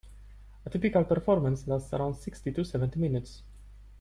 A typical performance lasts around sixty to seventy minutes.